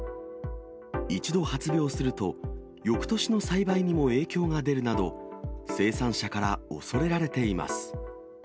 一度発病すると、よくとしの栽培にも影響が出るなど、生産者から恐れられています。